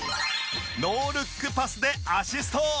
ノールックパスでアシスト！